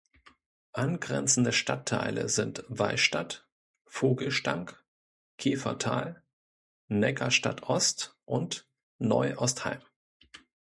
Angrenzende Stadtteile sind Wallstadt, Vogelstang, Käfertal, Neckarstadt-Ost und Neuostheim.